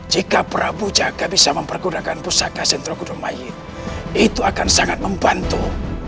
jika prabu jaga bisa mempergunakan pusaka sentro gudong mai itu akan sangat membantu